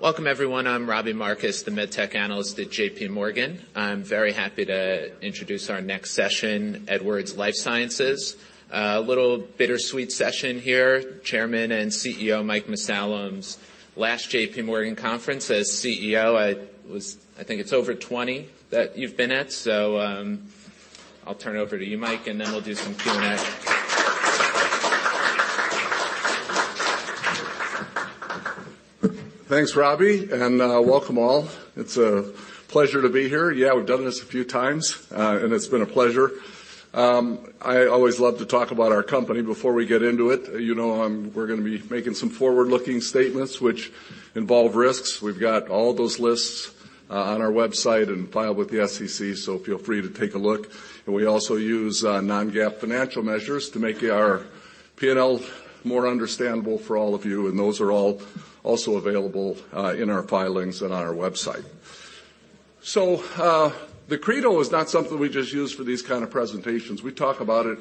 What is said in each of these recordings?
Welcome everyone. I'm Robbie Marcus, the med tech analyst at JPMorgan. I'm very happy to introduce our next session, Edwards Lifesciences. A little bittersweet session here. Chairman and CEO Mike Mussallem's last JPMorgan conference as CEO. I think it's over 20 that you've been at, so, I'll turn it over to you, Mike, and then we'll do some Q&A. Thanks, Robbie, and welcome all. It's a pleasure to be here. Yeah, we've done this a few times, and it's been a pleasure. I always love to talk about our company. Before we get into it, you know, we're gonna be making some forward-looking statements which involve risks. We've got all those lists on our website and filed with the SEC, so feel free to take a look. We also use non-GAAP financial measures to make our P&L more understandable for all of you, and those are all also available in our filings and on our website. The credo is not something we just use for these kind of presentations. We talk about it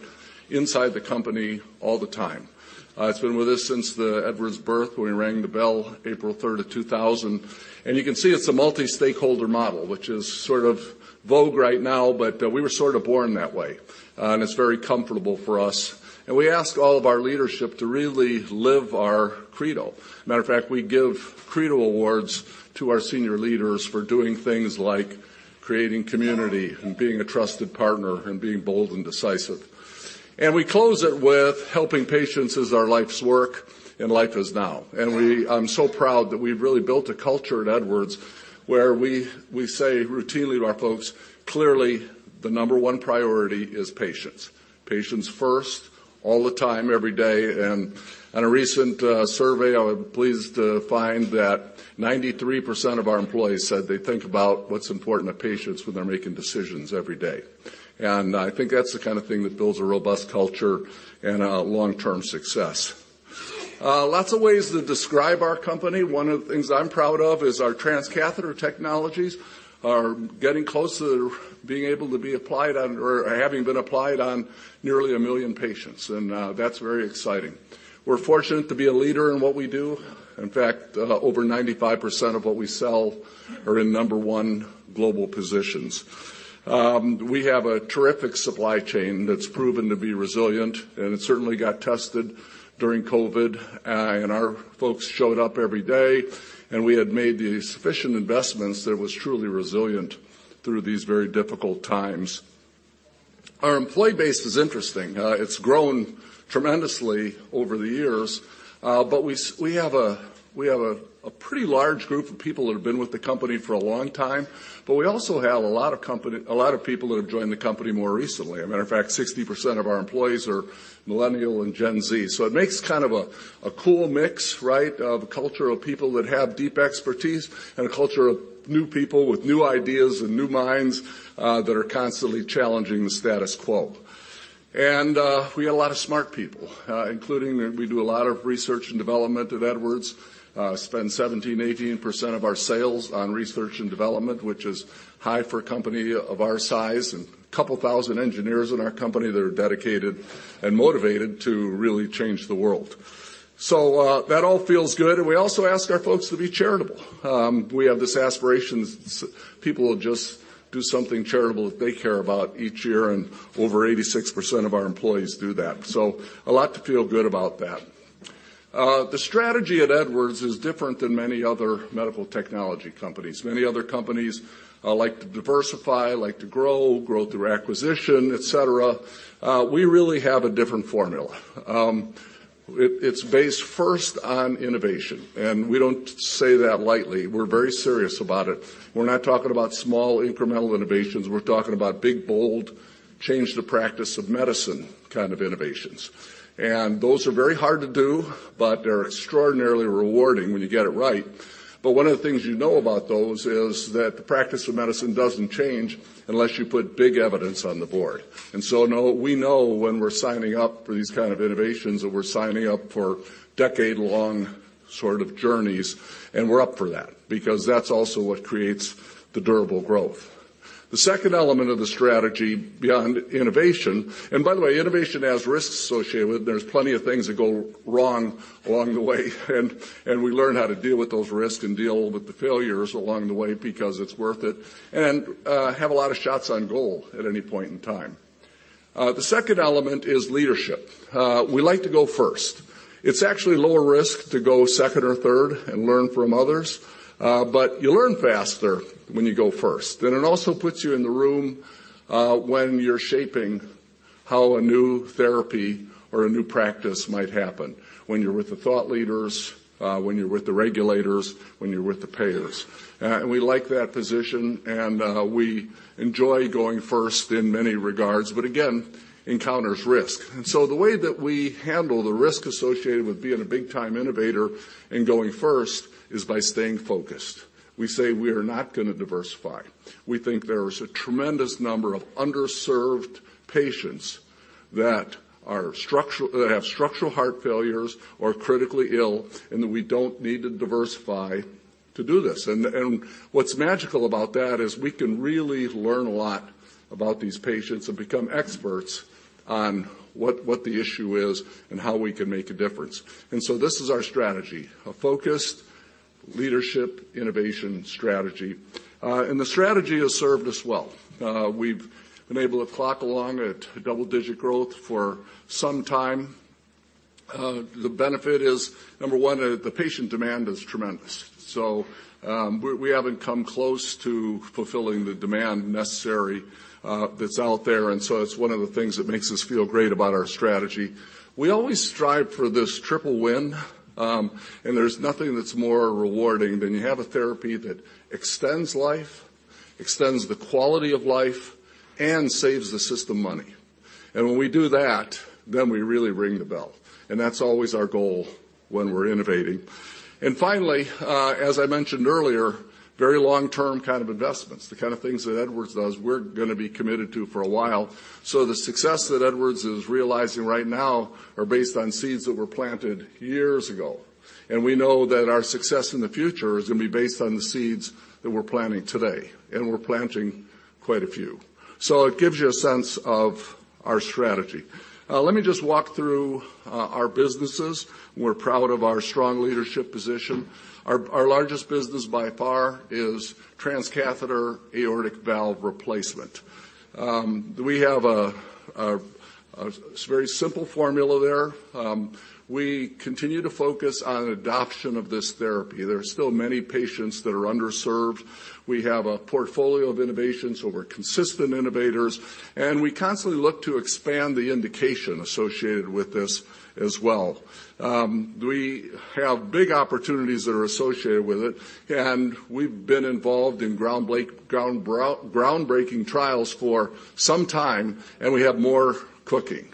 inside the company all the time. It's been with us since the Edwards birth, when we rang the bell April 3rd of 2000. You can see it's a multi-stakeholder model, which is sort of vogue right now, but we were sort of born that way, and it's very comfortable for us. We ask all of our leadership to really live our credo. Matter of fact, we give credo awards to our senior leaders for doing things like creating community and being a trusted partner and being bold and decisive. We close it with, "Helping patients is our life's work, and life is now." I'm so proud that we've really built a culture at Edwards where we say routinely to our folks, clearly the number one priority is patients. Patients first, all the time, every day. In a recent survey, I was pleased to find that 93% of our employees said they think about what's important to patients when they're making decisions every day. I think that's the kind of thing that builds a robust culture and long-term success. Lots of ways to describe our company. One of the things I'm proud of is our transcatheter technologies are getting close to being able to be applied on or having been applied on nearly one million patients, and that's very exciting. We're fortunate to be a leader in what we do. In fact, over 95% of what we sell are in number one global positions. We have a terrific supply chain that's proven to be resilient, and it certainly got tested during COVID. Our folks showed up every day, and we had made the sufficient investments that was truly resilient through these very difficult times. Our employee base is interesting. It's grown tremendously over the years, but we have a pretty large group of people that have been with the company for a long time, but we also have a lot of people that have joined the company more recently. A matter of fact, 60% of our employees are Millennial and Gen Z. It makes kind of a cool mix, right, of a culture of people that have deep expertise and a culture of new people with new ideas and new minds that are constantly challenging the status quo. We got a lot of smart people, including, we do a lot of research and development at Edwards. Spend 17%-18% of our sales on research and development, which is high for a company of our size, and a couple thousand engineers in our company that are dedicated and motivated to really change the world. That all feels good. We also ask our folks to be charitable. We have this aspiration people will just do something charitable that they care about each year, and over 86% of our employees do that. A lot to feel good about that. The strategy at Edwards is different than many other medical technology companies. Many other companies, like to diversify, like to grow through acquisition, et cetera. We really have a different formula. It's based first on innovation. We don't say that lightly. We're very serious about it. We're not talking about small, incremental innovations. We're talking about big, bold, change the practice of medicine kind of innovations. Those are very hard to do. They're extraordinarily rewarding when you get it right. One of the things you know about those is that the practice of medicine doesn't change unless you put big evidence on the board. We know when we're signing up for these kind of innovations that we're signing up for decade-long sort of journeys. We're up for that because that's also what creates the durable growth. The second element of the strategy beyond innovation. By the way, innovation has risks associated with it. There's plenty of things that go wrong along the way, and we learn how to deal with those risks and deal with the failures along the way because it's worth it, and have a lot of shots on goal at any point in time. The second element is leadership. We like to go first. It's actually lower risk to go second or third and learn from others, but you learn faster when you go first. And it also puts you in the room, when you're shaping how a new therapy or a new practice might happen, when you're with the thought leaders, when you're with the regulators, when you're with the payers. We like that position, and we enjoy going first in many regards, but again, encounters risk. The way that we handle the risk associated with being a big-time innovator and going first is by staying focused. We say we are not gonna diversify. We think there is a tremendous number of underserved patients that have structural heart failures or critically ill, and that we don't need to diversify to do this. What's magical about that is we can really learn a lot about these patients and become experts on what the issue is and how we can make a difference. This is our strategy. A focused leadership innovation strategy. The strategy has served us well. We've been able to clock along at double-digit growth for some time. The benefit is, number one, the patient demand is tremendous. We haven't come close to fulfilling the demand necessary that's out there, and so it's one of the things that makes us feel great about our strategy. We always strive for this triple win. There's nothing that's more rewarding than you have a therapy that extends life, extends the quality of life, and saves the system money. When we do that, then we really ring the bell. That's always our goal when we're innovating. Finally, as I mentioned earlier, very long-term kind of investments. The kind of things that Edwards does, we're gonna be committed to for a while. The success that Edwards is realizing right now are based on seeds that were planted years ago. We know that our success in the future is gonna be based on the seeds that we're planting today, and we're planting quite a few. It gives you a sense of our strategy. Let me just walk through our businesses. We're proud of our strong leadership position. Our largest business by far is transcatheter aortic valve replacement. We have a very simple formula there. We continue to focus on adoption of this therapy. There are still many patients that are underserved. We have a portfolio of innovations, so we're consistent innovators, and we constantly look to expand the indication associated with this as well. We have big opportunities that are associated with it, and we've been involved in groundbreaking trials for some time, and we have more cooking.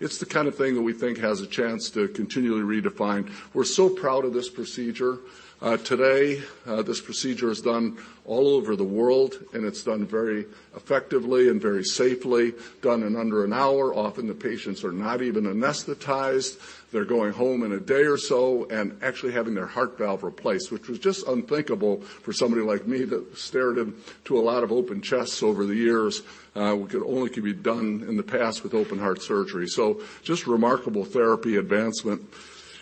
It's the kind of thing that we think has a chance to continually redefine. We're so proud of this procedure. Today, this procedure is done all over the world, and it's done very effectively and very safely. Done in under an hour. Often the patients are not even anesthetized. They're going home in a day or so and actually having their heart valve replaced, which was just unthinkable for somebody like me that stared into a lot of open chests over the years, which could only be done in the past with open heart surgery. Just remarkable therapy advancement.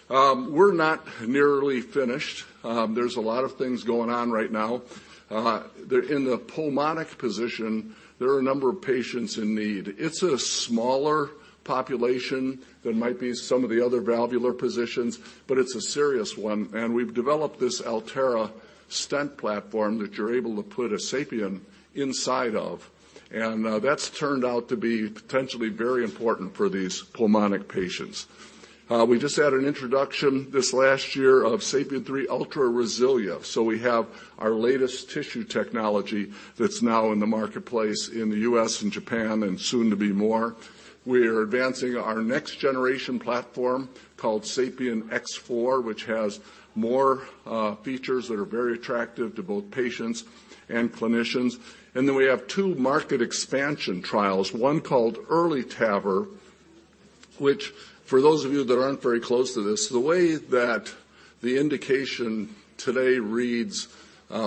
We're not nearly finished. There's a lot of things going on right now. In the pulmonic position, there are a number of patients in need. It's a smaller population than might be some of the other valvular positions, but it's a serious one. We've developed this Alterra stent platform that you're able to put a SAPIEN inside of. That's turned out to be potentially very important for these pulmonic patients. We just had an introduction this last year of SAPIEN 3 Ultra RESILIA. We have our latest tissue technology that's now in the marketplace in the U.S. and Japan, and soon to be more. We are advancing our next generation platform called SAPIEN X4, which has more features that are very attractive to both patients and clinicians. We have two market expansion trials, one called EARLY TAVR, which for those of you that aren't very close to this, the way that the indication today reads,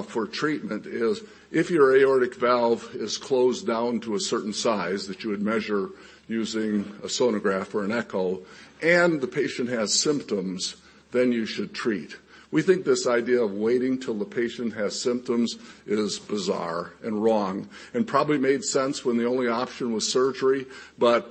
for treatment is if your aortic valve is closed down to a certain size that you would measure using a sonograph or an echo, and the patient has symptoms, then you should treat. We think this idea of waiting till the patient has symptoms is bizarre and wrong, and probably made sense when the only option was surgery. Our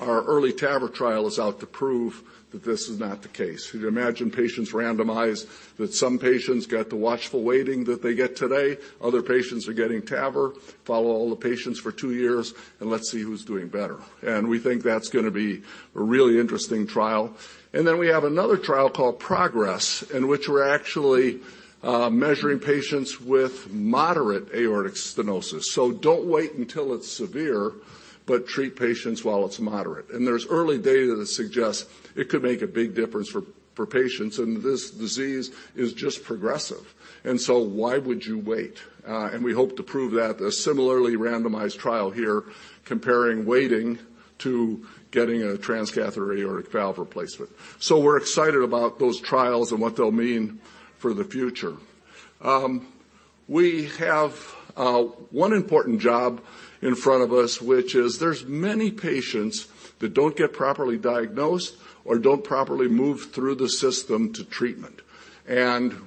EARLY TAVR trial is out to prove that this is not the case. Could you imagine patients randomized, that some patients get the watchful waiting that they get today, other patients are getting TAVR, follow all the patients for two years, and let's see who's doing better. We think that's gonna be a really interesting trial. We have another trial called PROGRESS, in which we're actually measuring patients with moderate aortic stenosis. Don't wait until it's severe, but treat patients while it's moderate. There's early data that suggests it could make a big difference for patients, and this disease is just progressive. Why would you wait? We hope to prove that. A similarly randomized trial here comparing waiting to getting a transcatheter aortic valve replacement. We're excited about those trials and what they'll mean for the future. We have one important job in front of us, which is there's many patients that don't get properly diagnosed or don't properly move through the system to treatment.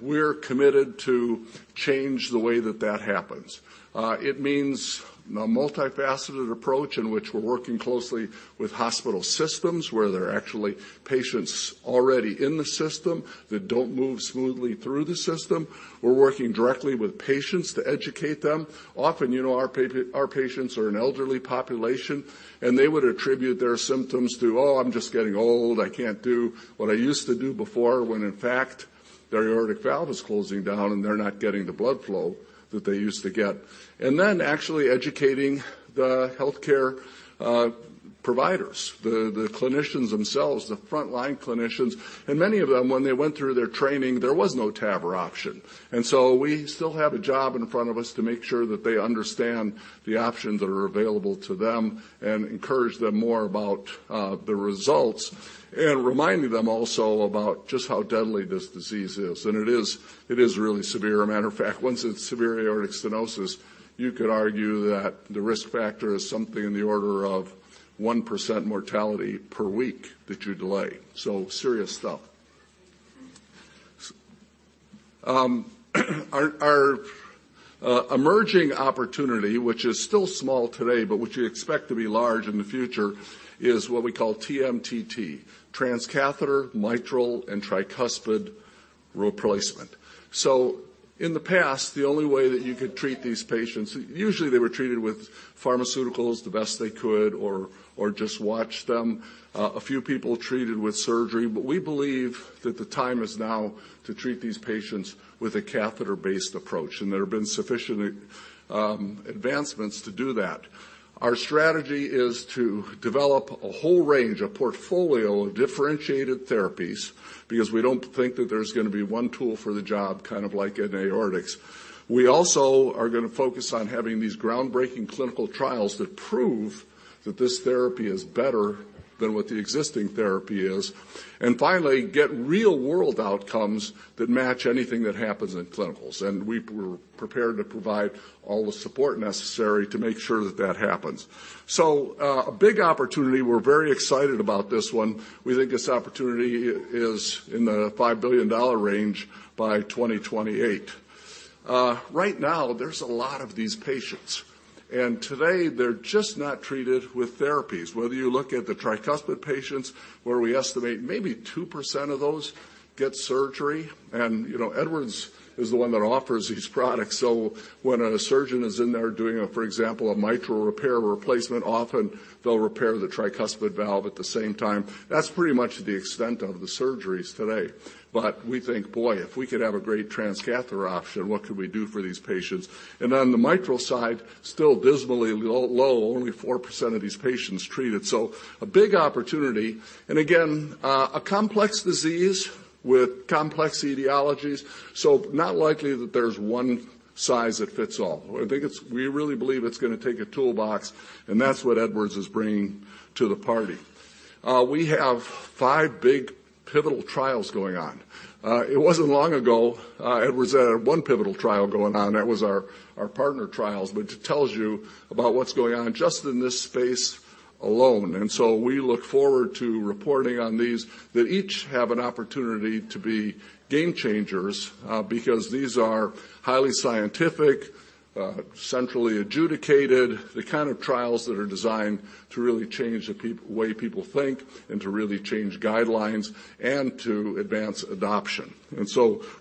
We're committed to change the way that that happens. It means a multifaceted approach in which we're working closely with hospital systems where there are actually patients already in the system that don't move smoothly through the system. We're working directly with patients to educate them. Often, you know, our patients are an elderly population, and they would attribute their symptoms to, "Oh, I'm just getting old. I can't do what I used to do before," when in fact their aortic valve is closing down and they're not getting the blood flow that they used to get. Actually educating the healthcare providers, the clinicians themselves, the frontline clinicians. Many of them, when they went through their training, there was no TAVR option. We still have a job in front of us to make sure that they understand the options that are available to them and encourage them more about the results and reminding them also about just how deadly this disease is. It is really severe. Matter of fact, once it's severe aortic stenosis, you could argue that the risk factor is something in the order of 1% mortality per week that you delay. Serious stuff. Our emerging opportunity, which is still small today, but which we expect to be large in the future, is what we call TMTT, transcatheter mitral and tricuspid therapies. In the past, the only way that you could treat these patients, usually they were treated with pharmaceuticals the best they could or just watch them. A few people treated with surgery. We believe that the time is now to treat these patients with a catheter-based approach, and there have been sufficient advancements to do that. Our strategy is to develop a whole range, a portfolio of differentiated therapies, because we don't think that there's gonna be one tool for the job, kind of like in aortics. We also are gonna focus on having these groundbreaking clinical trials that prove that this therapy is better than what the existing therapy is. Finally, get real-world outcomes that match anything that happens in clinicals. We prepare to provide all the support necessary to make sure that that happens. A big opportunity. We're very excited about this one. We think this opportunity is in the $5 billion range by 2028. Right now, there's a lot of these patients, Today they're just not treated with therapies. Whether you look at the tricuspid patients, where we estimate maybe 2% of those get surgery. You know, Edwards is the one that offers these products. So when a surgeon is in there doing, for example, a mitral repair or replacement, often they'll repair the tricuspid valve at the same time. That's pretty much the extent of the surgeries today. We think, boy, if we could have a great transcatheter option, what could we do for these patients? On the mitral side, still dismally low, only 4% of these patients treated. A big opportunity. Again, a complex disease with complex etiologies, not likely that there's 1 size that fits all. We really believe it's gonna take a toolbox, that's what Edwards is bringing to the party. We have five big pivotal trials going on. It wasn't long ago, Edwards had one pivotal trial going on. That was our PARTNER trials. It tells you about what's going on just in this space alone. We look forward to reporting on these that each have an opportunity to be game changers, because these are highly scientific, centrally adjudicated, the kind of trials that are designed to really change the way people think and to really change guidelines and to advance adoption.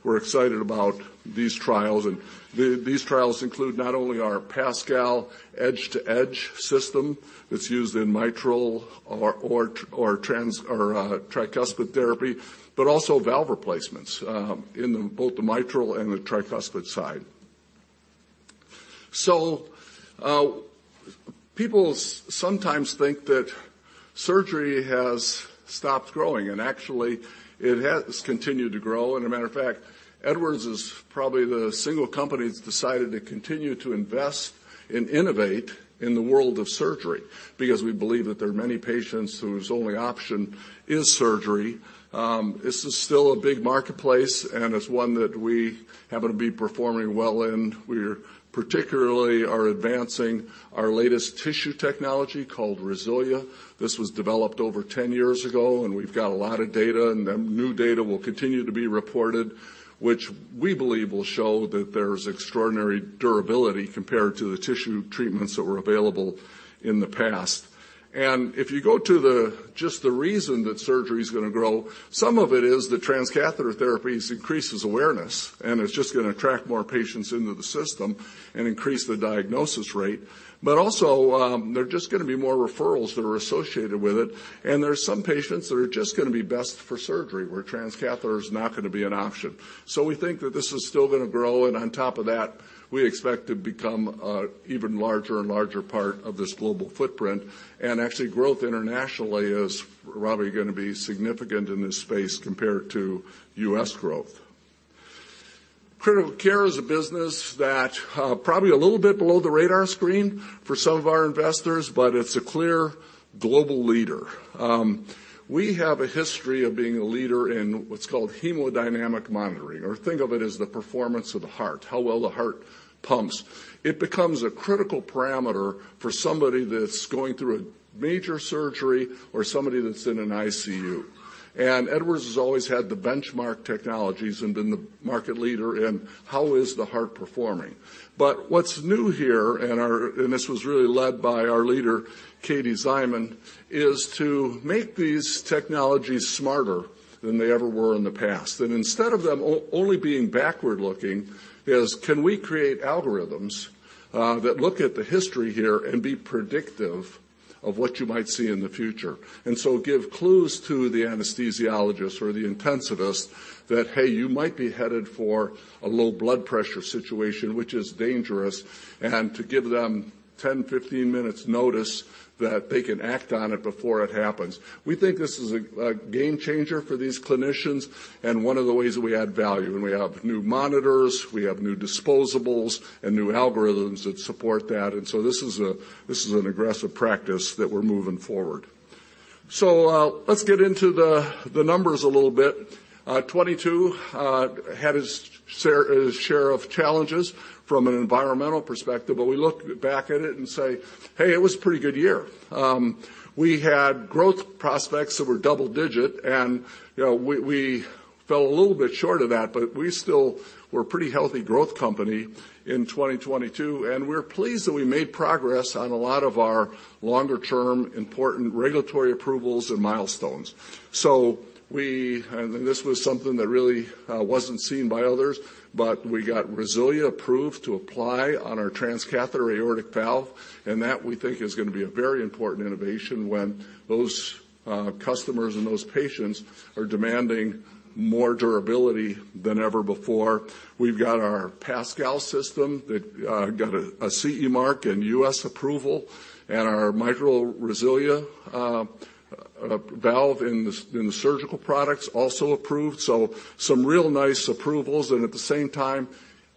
We're excited about these trials. These trials include not only our PASCAL Edge-to-Edge system that's used in mitral or tricuspid therapy, but also valve replacements in both the mitral and the tricuspid side. People sometimes think that surgery has stopped growing, and actually it has continued to grow. A matter of fact, Edwards is probably the single company that's decided to continue to invest and innovate in the world of surgery because we believe that there are many patients whose only option is surgery. This is still a big marketplace, and it's one that we happen to be performing well in. We particularly are advancing our latest tissue technology called RESILIA. This was developed over 10 years ago, and we've got a lot of data, and new data will continue to be reported, which we believe will show that there's extraordinary durability compared to the tissue treatments that were available in the past. If you go to just the reason that surgery's gonna grow, some of it is that transcatheter therapies increases awareness, and it's just gonna attract more patients into the system and increase the diagnosis rate. Also, there are just gonna be more referrals that are associated with it. There are some patients that are just gonna be best for surgery, where transcatheter is not gonna be an option. We think that this is still gonna grow, and on top of that, we expect to become a even larger and larger part of this global footprint. Actually, growth internationally is probably gonna be significant in this space compared to U.S. growth. Critical care is a business that, probably a little bit below the radar screen for some of our investors, but it's a clear global leader. We have a history of being a leader in what's called hemodynamic monitoring, or think of it as the performance of the heart, how well the heart pumps. It becomes a critical parameter for somebody that's going through a major surgery or somebody that's in an ICU. Edwards has always had the benchmark technologies and been the market leader in how is the heart performing. What's new here, and this was really led by our leader, Katie Szyman, is to make these technologies smarter than they ever were in the past. Instead of them only being backward-looking, is can we create algorithms that look at the history here and be predictive of what you might see in the future. Give clues to the anesthesiologist or the intensivist that, "Hey, you might be headed for a low blood pressure situation," which is dangerous, and to give them 10, 15 minutes notice that they can act on it before it happens. We think this is a game changer for these clinicians and one of the ways that we add value. We have new monitors, we have new disposables, and new algorithms that support that. This is an aggressive practice that we're moving forward. Let's get into the numbers a little bit. 2022 had its share of challenges from an environmental perspective, but we look back at it and say, "Hey, it was a pretty good year." We had growth prospects that were double-digit, and, you know, we fell a little bit short of that, but we still were a pretty healthy growth company in 2022. We're pleased that we made progress on a lot of our longer term important regulatory approvals and milestones. This was something that really wasn't seen by others, but we got RESILIA approved to apply on our transcatheter aortic valve, and that we think is gonna be a very important innovation when those customers and those patients are demanding more durability than ever before. We've got our PASCAL system that got a CE mark and U.S. approval and our mitral RESILIA valve in the surgical products also approved. Some real nice approvals and at the same time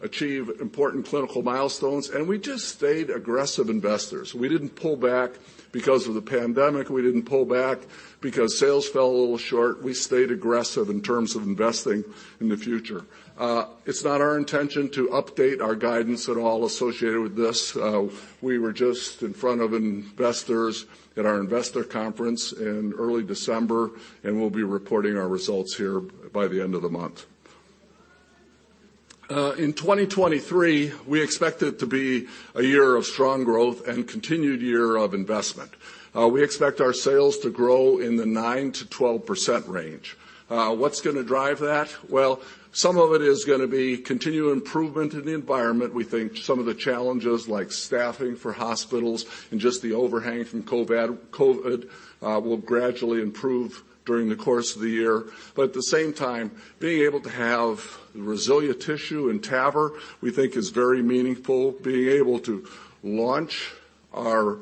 achieve important clinical milestones. We just stayed aggressive investors. We didn't pull back because of the pandemic. We didn't pull back because sales fell a little short. We stayed aggressive in terms of investing in the future. It's not our intention to update our guidance at all associated with this. We were just in front of investors at our investor conference in early December, and we'll be reporting our results here by the end of the month. In 2023, we expect it to be a year of strong growth and continued year of investment. We expect our sales to grow in the 9%-12% range. What's gonna drive that? Well, some of it is gonna be continued improvement in the environment. We think some of the challenges like staffing for hospitals and just the overhang from COVID will gradually improve during the course of the year. At the same time, being able to have RESILIA tissue and TAVR, we think is very meaningful. Being able to launch our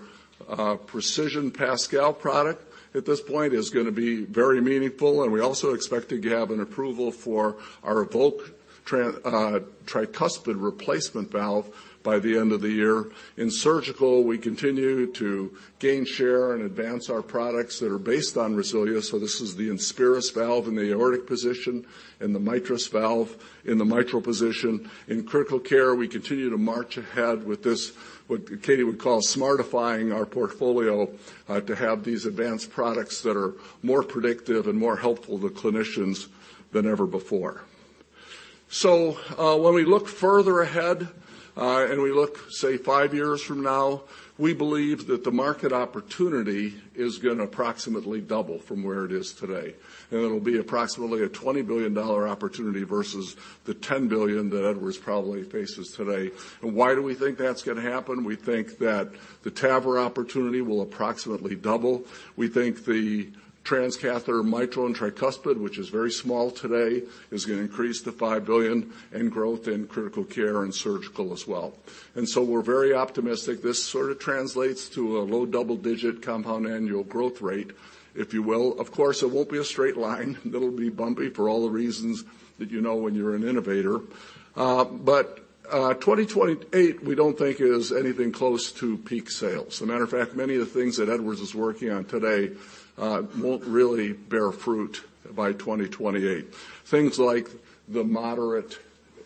Precision PASCAL product at this point is gonna be very meaningful, and we also expect to have an approval for our EVOQUE tricuspid replacement valve by the end of the year. In surgical, we continue to gain share and advance our products that are based on RESILIA. This is the INSPIRIS valve in the aortic position and the MITRIS valve in the mitral position. In critical care, we continue to march ahead with this, what Katie would call smartifying our portfolio, to have these advanced products that are more predictive and more helpful to clinicians than ever before. When we look further ahead, and we look, say, five years from now, we believe that the market opportunity is gonna approximately double from where it is today. It'll be approximately a $20 billion opportunity versus the $10 billion that Edwards probably faces today. Why do we think that's gonna happen? We think that the TAVR opportunity will approximately double. We think the transcatheter mitral and tricuspid, which is very small today, is gonna increase to $5 billion and growth in critical care and surgical as well. We're very optimistic. This sort of translates to a low double-digit compound annual growth rate, if you will. Of course, it won't be a straight line. It'll be bumpy for all the reasons that you know when you're an innovator. But 2028, we don't think is anything close to peak sales. As a matter of fact, many of the things that Edwards is working on today, won't really bear fruit by 2028. Things like the moderate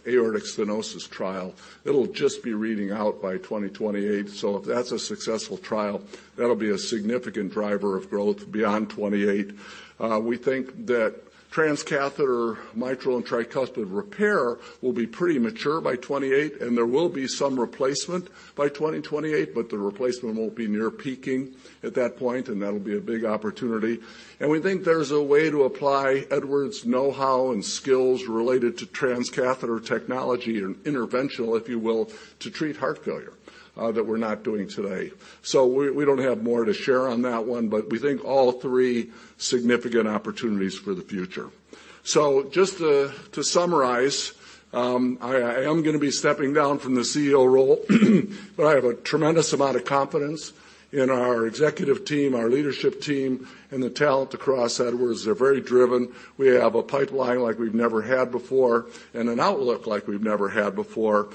aortic stenosis trial, it'll just be reading out by 2028. If that's a successful trial, that'll be a significant driver of growth beyond 2028. We think that transcatheter mitral and tricuspid repair will be pretty mature by 2028, and there will be some replacement by 2028, but the replacement won't be near peaking at that point, and that'll be a big opportunity. We think there's a way to apply Edwards' know-how and skills related to transcatheter technology and interventional, if you will, to treat heart failure that we're not doing today. We don't have more to share on that one, but we think all three significant opportunities for the future. Just to summarize, I am gonna be stepping down from the CEO role, but I have a tremendous amount of confidence in our executive team, our leadership team, and the talent across Edwards. They're very driven. We have a pipeline like we've never had before and an outlook like we've never had before.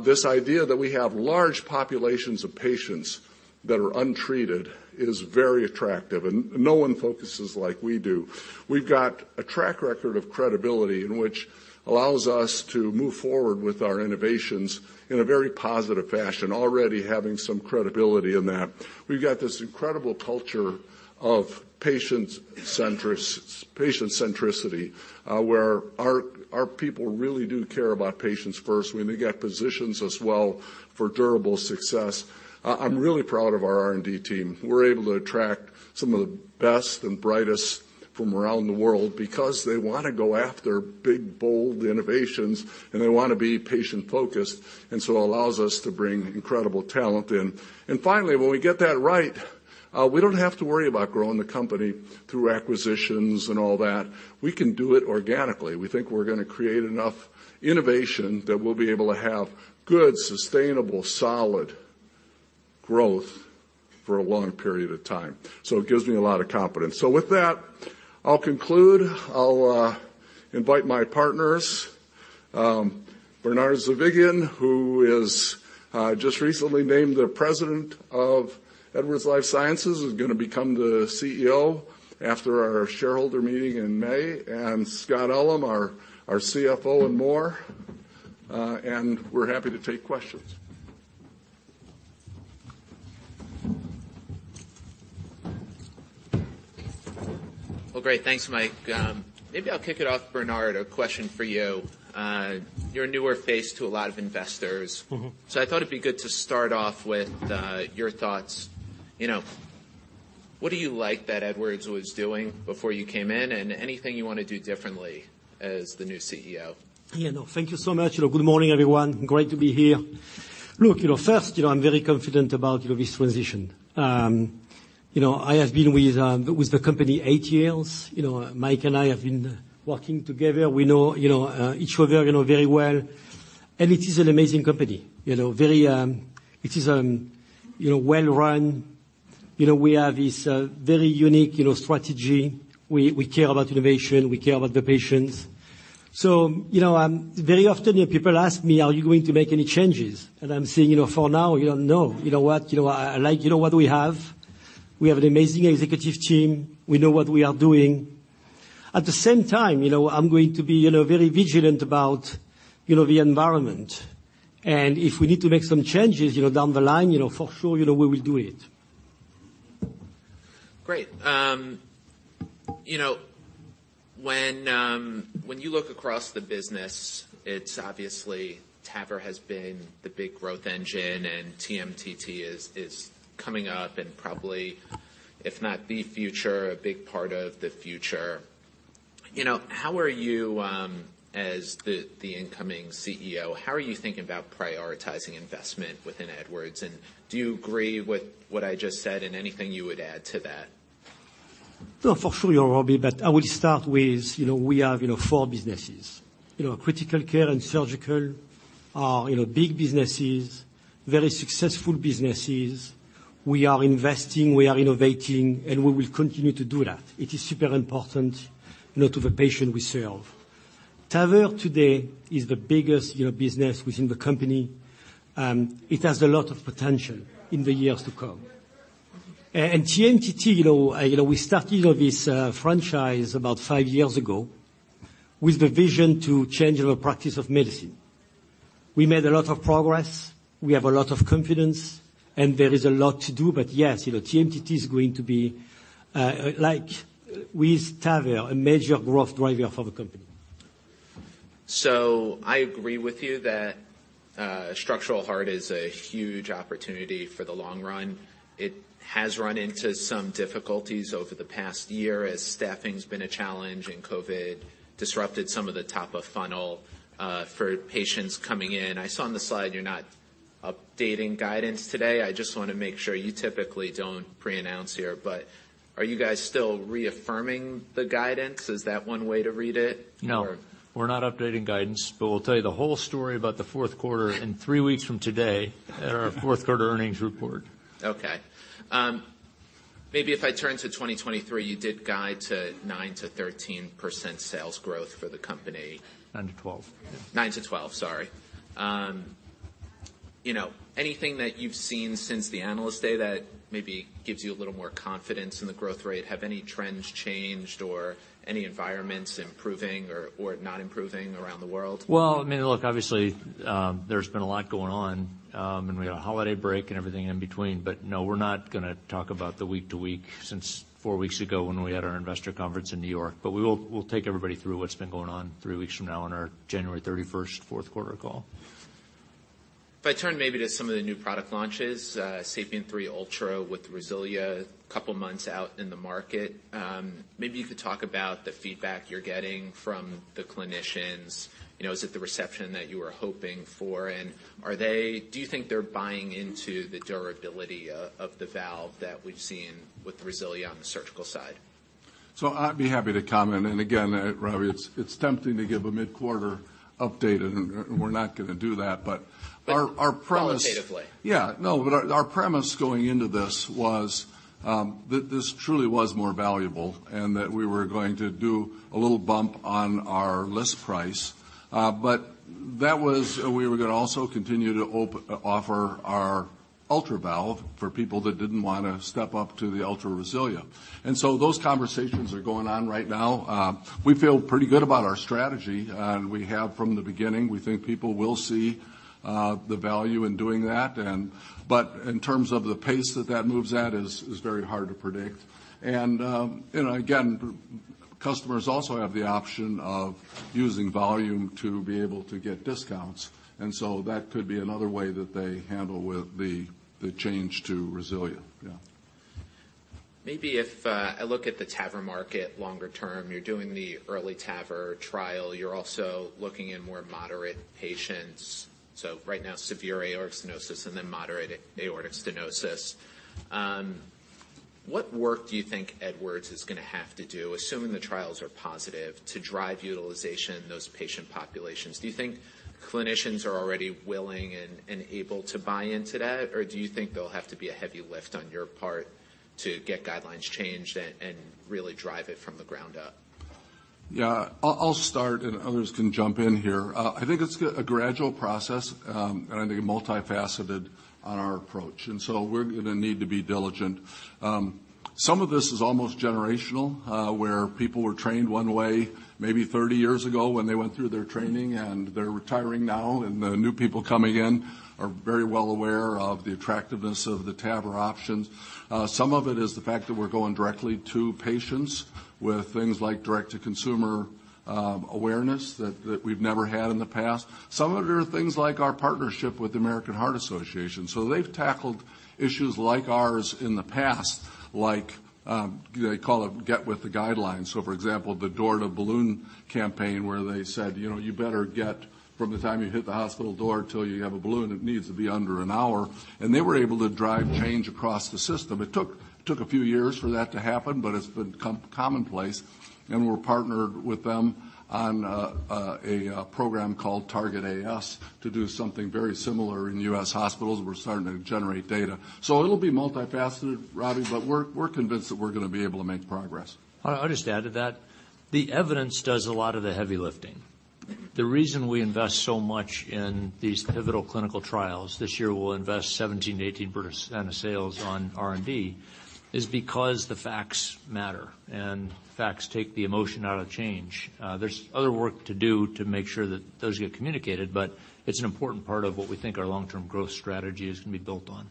This idea that we have large populations of patients that are untreated is very attractive, and no one focuses like we do. We've got a track record of credibility in which allows us to move forward with our innovations in a very positive fashion, already having some credibility in that. We've got this incredible culture of patient centricity, where our people really do care about patients first. We may get positions as well for durable success. I'm really proud of our R&D team. We're able to attract some of the best and brightest from around the world because they wanna go after big, bold innovations, and they wanna be patient-focused, and so allows us to bring incredible talent in. Finally, when we get that right, we don't have to worry about growing the company through acquisitions and all that. We can do it organically. We think we're gonna create enough innovation that we'll be able to have good, sustainable, solid growth for a long period of time. It gives me a lot of confidence. With that, I'll conclude. I'll invite my partners, Bernard Zovighian, who is just recently named the President of Edwards Lifesciences, who's gonna become the CEO after our shareholder meeting in May, and Scott Ullem, our CFO and more, and we're happy to take questions. Great. Thanks, Mike. maybe I'll kick it off, Bernard. A question for you. you're a newer face to a lot of investors. Mm-hmm. I thought it'd be good to start off with your thoughts. You know, what do you like that Edwards was doing before you came in? Anything you wanna do differently as the new CEO? Yeah, no. Thank you so much. Good morning, everyone. Great to be here. Look, you know, first, you know, I'm very confident about, you know, this transition. You know, I have been with the company eight years. You know, Mike and I have been working together. We know, you know, each other, you know, very well, and it is an amazing company. You know, very, it is, you know, well-run. You know, we have this very unique, you know, strategy. We care about innovation. We care about the patients. You know, very often people ask me, "Are you going to make any changes?" I'm saying, you know, for now, you know, no. You know what? You know, I like, you know, what we have. We have an amazing executive team. We know what we are doing. At the same time, you know, I'm going to be, you know, very vigilant about, you know, the environment. If we need to make some changes, you know, down the line, you know, for sure, you know, we will do it. Great. You know, when you look across the business, it's obviously TAVR has been the big growth engine, and TMTT is coming up and probably, if not the future, a big part of the future. You know, how are you, as the incoming CEO, how are you thinking about prioritizing investment within Edwards? Do you agree with what I just said, and anything you would add to that? For sure, Robbie, I will start with, you know, we have, you know, four businesses. You know, critical care and surgical are, you know, big businesses, very successful businesses. We are investing, we are innovating, we will continue to do that. It is super important, you know, to the patient we serve. TAVR today is the biggest, you know, business within the company. It has a lot of potential in the years to come. TMTT, you know, we started this franchise about five years ago with the vision to change our practice of medicine. We made a lot of progress. We have a lot of confidence, and there is a lot to do, but yes, you know, TMTT is going to be, like with TAVR, a major growth driver for the company. I agree with you that structural heart is a huge opportunity for the long run. It has run into some difficulties over the past year as staffing's been a challenge and COVID disrupted some of the top of funnel for patients coming in. I saw on the slide you're not updating guidance today. I just wanna make sure you typically don't pre-announce here, but are you guys still reaffirming the guidance? Is that one way to read it? We're not updating guidance. We'll tell you the whole story about the fourth quarter in three weeks from today at our fourth quarter earnings report. Maybe if I turn to 2023, you did guide to 9%-13% sales growth for the company. 9%-12%. 9% to 12%, sorry. you know, anything that you've seen since the Analyst Day that maybe gives you a little more confidence in the growth rate? Have any trends changed or any environments improving or not improving around the world? I mean, look, obviously, there's been a lot going on, We had a holiday break and everything in between, No, we're not gonna talk about the week to week since four weeks ago when we had our investor conference in New York. We'll take everybody through what's been going on three weeks from now on our January 31st fourth quarter call. If I turn maybe to some of the new product launches, SAPIEN 3 Ultra RESILIA a couple of months out in the market, maybe you could talk about the feedback you're getting from the clinicians. You know, is it the reception that you were hoping for? Do you think they're buying into the durability of the valve that we've seen with RESILIA on the surgical side? I'd be happy to comment. Again, Robbie, it's tempting to give a mid-quarter update, and we're not gonna do that, but our premise. Qualitatively. Yeah. No, our premise going into this was, this truly was more valuable and that we were going to do a little bump on our list price. We were gonna also continue to offer our ultra valve for people that didn't wanna step up to the Ultra RESILIA. Those conversations are going on right now. We feel pretty good about our strategy, and we have from the beginning. We think people will see the value in doing that. In terms of the pace that that moves at is very hard to predict. You know, again, customers also have the option of using volume to be able to get discounts. That could be another way that they handle with the change to RESILIA. Yeah. Maybe if I look at the TAVR market longer term, you're doing the EARLY TAVR trial. You're also looking at more moderate patients. Right now, severe aortic stenosis and then moderate aortic stenosis. What work do you think Edwards is gonna have to do, assuming the trials are positive to drive utilization in those patient populations? Do you think clinicians are already willing and able to buy into that? Do you think there'll have to be a heavy lift on your part to get guidelines changed and really drive it from the ground up? Yeah. I'll start, and others can jump in here. I think it's a gradual process, and I think multifaceted on our approach. We're gonna need to be diligent. Some of this is almost generational, where people were trained one way maybe 30 years ago when they went through their training, and they're retiring now, and the new people coming in are very well aware of the attractiveness of the TAVR options. Some of it is the fact that we're going directly to patients with things like direct-to-consumer, awareness that we've never had in the past. Some of it are things like our partnership with American Heart Association. They've tackled issues like ours in the past, like, they call it Get With The Guidelines. For example, the Door-to-Balloon campaign, where they said, you know, you better get from the time you hit the hospital door till you have a balloon, it needs to be under an hour. They were able to drive change across the system. It took a few years for that to happen. It's become commonplace. We're partnered with them on a program called Target: Aortic Stenosis to do something very similar in the U.S. hospitals. We're starting to generate data. It'll be multifaceted, Robbie. We're convinced that we're gonna be able to make progress. I'll just add to that. The evidence does a lot of the heavy lifting. The reason we invest so much in these pivotal clinical trials, this year we'll invest 17%-18% of sales on R&D, is because the facts matter. Facts take the emotion out of change. There's other work to do to make sure that those get communicated. It's an important part of what we think our long-term growth strategy is gonna be built on.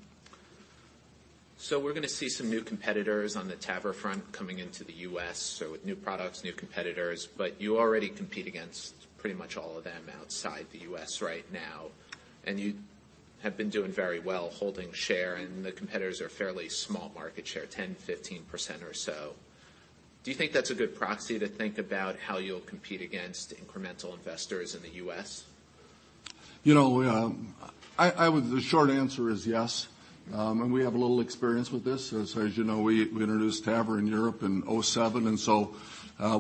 We're going to see some new competitors on the TAVR front coming into the U.S., so with new products, new competitors, but you already compete against pretty much all of them outside the U.S. right now. You have been doing very well holding share, and the competitors are fairly small market share, 10%, 15% or so. Do you think that's a good proxy to think about how you'll compete against incremental investors in the U.S.? You know, the short answer is yes. We have a little experience with this. As you know, we introduced TAVR in Europe in 2007,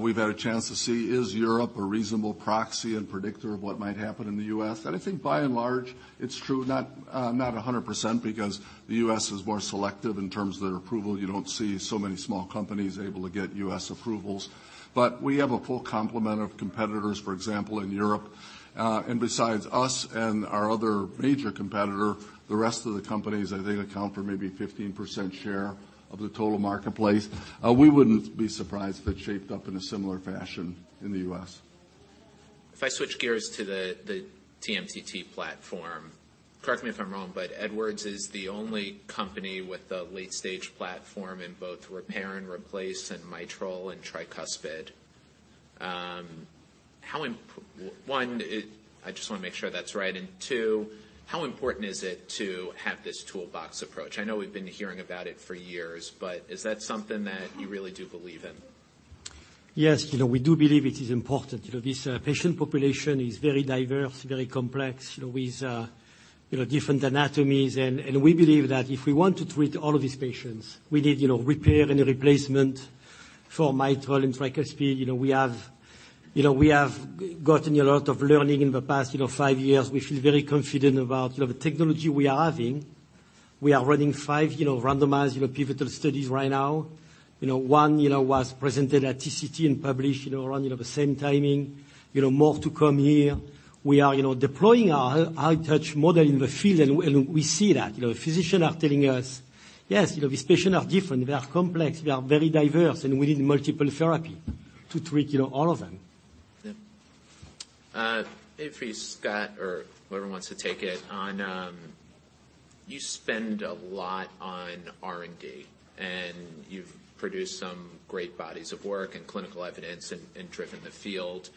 we've had a chance to see, is Europe a reasonable proxy and predictor of what might happen in the U.S.? I think by and large, it's true. Not, not 100% because the U.S. is more selective in terms of their approval. You don't see so many small companies able to get U.S. approvals. We have a full complement of competitors, for example, in Europe. Besides us and our other major competitor, the rest of the companies, I think, account for maybe 15% share of the total marketplace. We wouldn't be surprised if it shaped up in a similar fashion in the U.S. If I switch gears to the TMTT platform, correct me if I'm wrong, but Edwards is the only company with a late-stage platform in both repair and replace and mitral and tricuspid. One, I just wanna make sure that's right. Two, how important is it to have this toolbox approach? I know we've been hearing about it for years, is that something that you really do believe in? Yes. You know, we do believe it is important. You know, this patient population is very diverse, very complex, you know, with, you know, different anatomies. We believe that if we want to treat all of these patients, we need, you know, repair and a replacement for mitral and tricuspid. You know, we have, you know, we have gotten a lot of learning in the past, you know, five years. We feel very confident about, you know, the technology we are having. We are running five, you know, randomized, you know, pivotal studies right now. You know, one, you know, was presented at TCT and published, you know, around, you know, the same timing. You know, more to come here. We are, you know, deploying our high touch model in the field, and we see that. You know, physicians are telling us, "Yes, you know, these patients are different. They are complex. They are very diverse, and we need multiple therapy to treat, you know, all of them. Yeah. Maybe for you, Scott, or whoever wants to take it. On, you spend a lot on R&D, and you've produced some great bodies of work and clinical evidence and driven the field.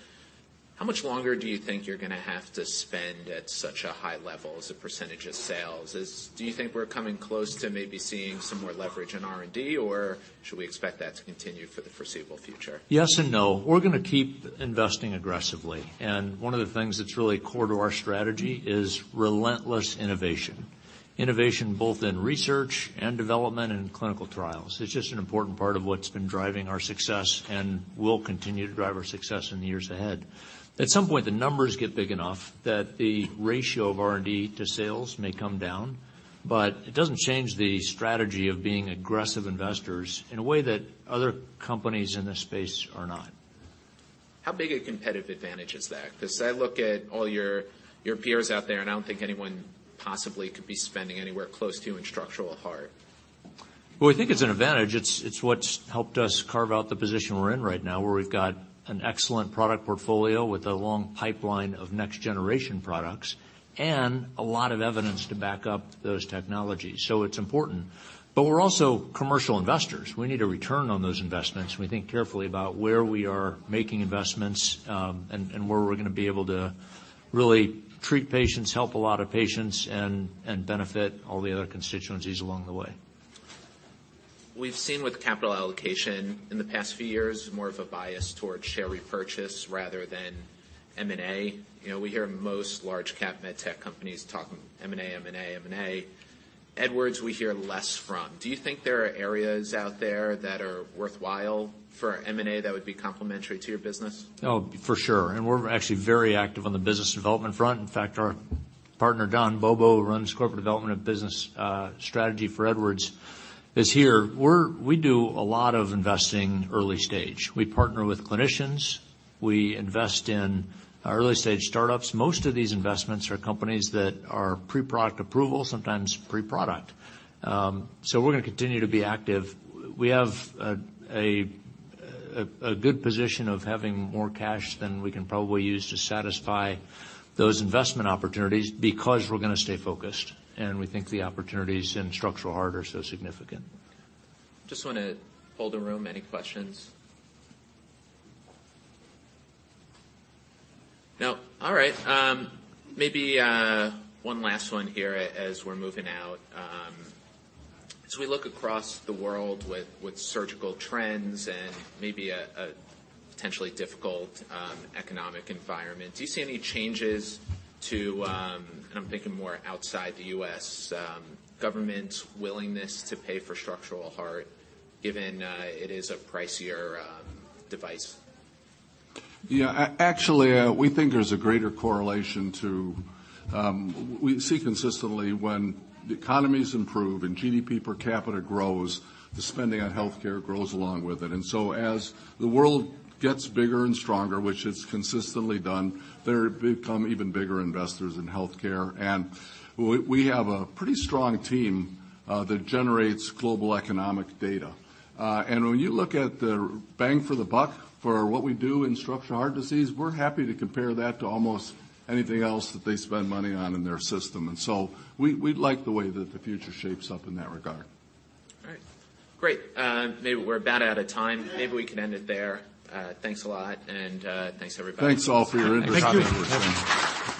How much longer do you think you're gonna have to spend at such a high level as a percentage of sales? Do you think we're coming close to maybe seeing some more leverage in R&D, or should we expect that to continue for the foreseeable future? Yes and no. We're gonna keep investing aggressively, and one of the things that's really core to our strategy is relentless innovation. Innovation both in research and development and in clinical trials. It's just an important part of what's been driving our success and will continue to drive our success in the years ahead. At some point, the numbers get big enough that the ratio of R&D to sales may come down, but it doesn't change the strategy of being aggressive investors in a way that other companies in this space are not. How big a competitive advantage is that? I look at all your peers out there, and I don't think anyone possibly could be spending anywhere close to you in structural heart. Well, I think it's an advantage. It's what's helped us carve out the position we're in right now, where we've got an excellent product portfolio with a long pipeline of next-generation products and a lot of evidence to back up those technologies. It's important. We're also commercial investors. We need a return on those investments, and we think carefully about where we are making investments, and where we're gonna be able to really treat patients, help a lot of patients, and benefit all the other constituencies along the way. We've seen with capital allocation in the past few years, more of a bias towards share repurchase rather than M&A. You know, we hear most large cap med tech companies talking M&A, M&A, M&A. Edwards we hear less from. Do you think there are areas out there that are worthwhile for M&A that would be complementary to your business? Oh, for sure. We're actually very active on the business development front. In fact, our partner, Don Bobo, who runs corporate development of business strategy for Edwards is here. We do a lot of investing early stage. We partner with clinicians, we invest in early-stage startups. Most of these investments are companies that are pre-product approval, sometimes pre-product. We're gonna continue to be active. We have a good position of having more cash than we can probably use to satisfy those investment opportunities because we're gonna stay focused, and we think the opportunities in structural heart are so significant. Just wanna poll the room. Any questions? No. All right. Maybe, one last one here as we're moving out. As we look across the world with surgical trends and maybe a potentially difficult economic environment, do you see any changes to, and I'm thinking more outside the U.S., government's willingness to pay for structural heart given, it is a pricier device? Yeah. Actually, we think there's a greater correlation to. We see consistently when the economies improve and GDP per capita grows, the spending on healthcare grows along with it. As the world gets bigger and stronger, which it's consistently done, there become even bigger investors in healthcare. We have a pretty strong team that generates global economic data. When you look at the bang for the buck for what we do in structural heart disease, we're happy to compare that to almost anything else that they spend money on in their system. We like the way that the future shapes up in that regard. All right. Great. Maybe we're about out of time. Maybe we can end it there. Thanks a lot and thanks everybody. Thanks all for your interest and your time.